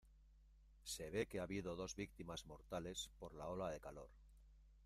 Se ve que ha habido dos víctimas mortales por la ola de calor.